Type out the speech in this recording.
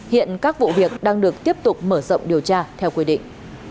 hiện các vụ việc đang được tiếp tục mở rộng điều tra theo quy định